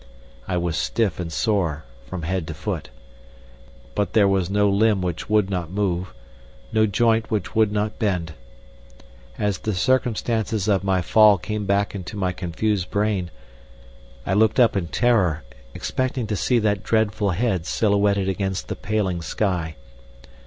I was stiff and sore from head to foot, but there was no limb which would not move, no joint which would not bend. As the circumstances of my fall came back into my confused brain, I looked up in terror, expecting to see that dreadful head silhouetted against the paling sky.